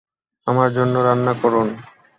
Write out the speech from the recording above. আমার জন্য রান্না করুন।